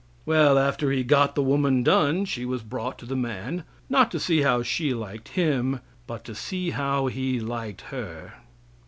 Well, after He got the woman done, she was brought to the man; not to see how she liked him, but to see how he liked her.